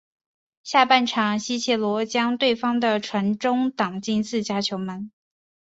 下半场西切罗将对方的传中挡进自家球门。